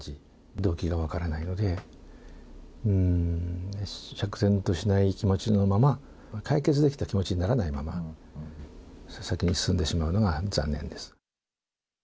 動機が分からないので、うーん、釈然としない気持ちのまま、解決できた気持ちにならないまま、先に進んでしまうのが残念です。